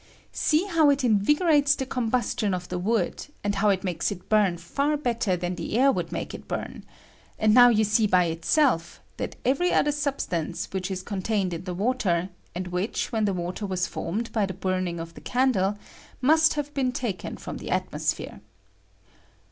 ] See how it invigorates the combustion of the wood, and how it makes it bum far better than the air would make it bum ; and now you see bj itself that every other substance which is contained iu the water, and which, when the water was formed by the burning of the candle, must have been taken from the atmosphere.